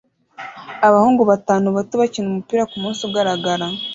Abahungu batanu bato bakina umupira kumunsi ugaragara